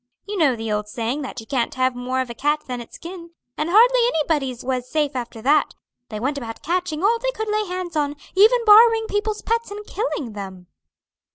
You know the old saying that you can't have more of a cat than its skin, and hardly anybody's was safe after that; they went about catching all they could lay hands on, even borrowing people's pets and killing them."